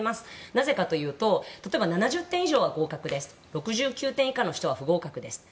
なぜかというと例えば、７０点以上は合格です６９点以下の人は不合格ですと。